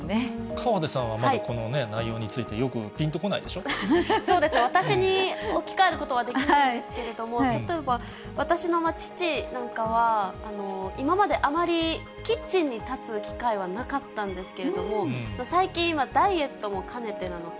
河出さんはまだこの内容につそうですね、私に置き換えることはできないんですけれども、例えば、私の父なんかは、今まであまりキッチンに立つ機会はなかったんですけれども、最近、ダイエットも兼ねてなのか、